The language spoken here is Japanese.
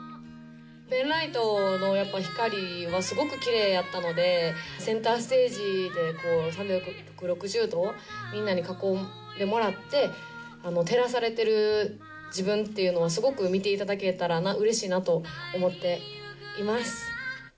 ペンライトの光はすごくきれいやったので、センターステージで３６０度、みんなに囲んでもらって、照らされてる自分っていうのをすごく見ていただけたらうれしいなと思っています。